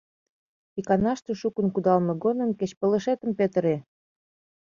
Иканаште шукын кудалме годым кеч пылышетым петыре!